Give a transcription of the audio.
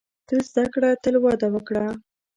• تل زده کړه، تل وده وکړه.